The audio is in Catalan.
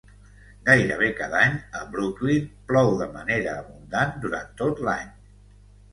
Gairebé cada any, a Brooklyn plou de manera abundant durant tot l'any.